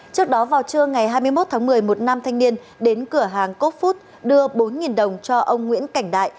trước đó vào trưa ngày hai mươi một tháng một mươi một nam thanh niên đến cửa hàng cop food đưa bốn đồng cho ông nguyễn cảnh đại